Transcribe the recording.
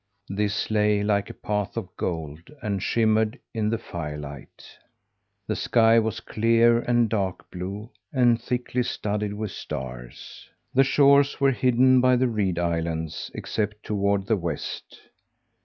This lay like a path of gold, and shimmered in the firelight. The sky was clear and dark blue and thickly studded with stars. The shores were hidden by the reed islands except toward the west.